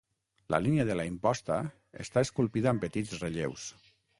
La línia de la imposta està esculpida amb petits relleus.